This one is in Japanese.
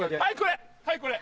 はいこれ！